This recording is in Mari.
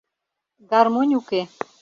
Гармонь уке.